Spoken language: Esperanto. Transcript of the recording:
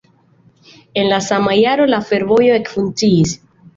En la sama jaro la fervojo ekfunkciis.